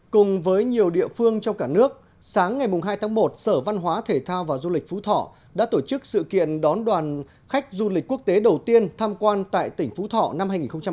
cùng với nhiều địa phương trong cả nước sáng ngày hai tháng một sở văn hóa thể thao và du lịch phú thọ đã tổ chức sự kiện đón đoàn khách du lịch quốc tế đầu tiên tham quan tại tỉnh phú thọ năm hai nghìn hai mươi